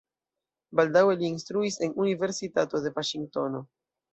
Baldaŭe li instruis en universitato de Vaŝingtono.